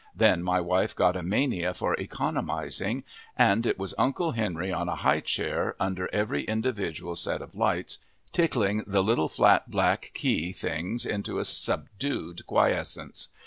Then my wife got a mania for economizing, and it was Uncle Henry on a high chair under every individual set of lights, tickling the little flat black key things into a subdued quiescence.